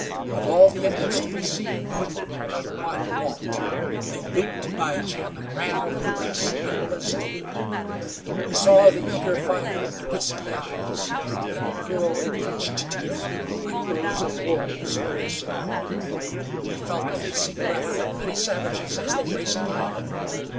Of all the Indians to be seen not one walked. They leaped by Jim, and ran over the grass nimble as deer. He saw the eager, fire in their dusky eyes, and the cruelly clenched teeth like those of wolves when they snarl. He felt the hissing breath of many savages as they raced by him.